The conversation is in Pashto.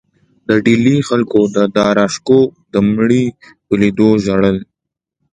د ډیلي خلکو د داراشکوه د مړي په لیدو ژړل.